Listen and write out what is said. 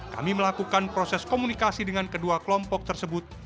kami melakukan proses komunikasi dengan kedua kelompok tersebut